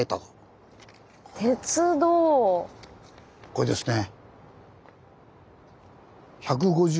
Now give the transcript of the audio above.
これですね。